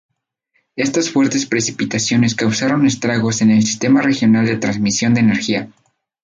Estas fuertes precipitaciones causaron estragos en el sistema regional de transmisión de energía.